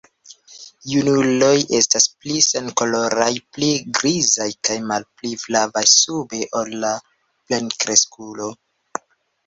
Junuloj estas pli senkoloraj, pli grizaj kaj malpli flavaj sube ol la plenkreskuloj.